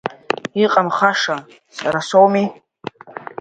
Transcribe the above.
Иҟамхаша, сара соуми!